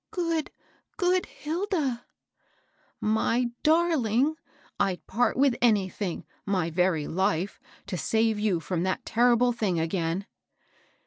Good, good Hilda!" " My darling ! I'd part with anything — my very life, to save you fipom that terrible thing again."